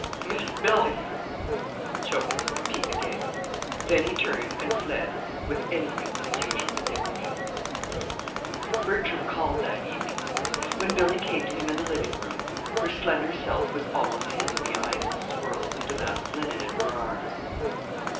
"Miss Billy!" choked Pete again. Then he turned and fled with anything but his usual dignity. Bertram called that evening. When Billy came to him in the living room, her slender self was almost hidden behind the swirls of damask linen in her arms.